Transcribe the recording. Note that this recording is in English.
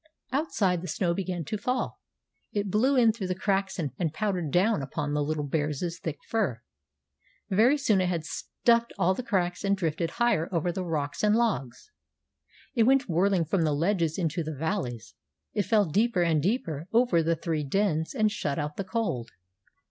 Outside the snow began to fall. It blew in through the cracks and powdered down upon the little bear's thick fur. Very soon it had stuffed all the cracks and drifted higher over the rocks and logs. It went whirling from the ledges into the valleys; it fell deeper and deeper over the three dens and shut out the cold.